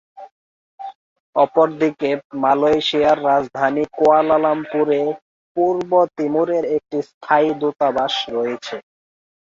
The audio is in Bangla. অপরদিকে মালয়েশিয়ার রাজধানী কুয়ালালামপুরে পূর্ব তিমুরের একটি স্থায়ী দূতাবাস রয়েছে।